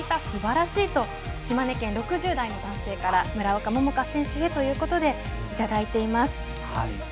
すばらしいと島根県６０代の男性から村岡桃佳選手へということでいただいています。